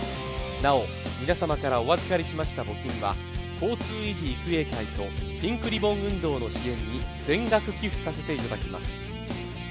なお、皆様からお預かりしました募金は交通遺児育英会とピンクリボン運動の支援に全額寄付させていただきます。